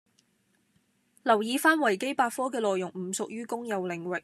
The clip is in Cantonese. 留意返維基百科嘅內容唔屬於公有領域